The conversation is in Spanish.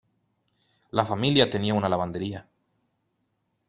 La familia tenía una lavandería.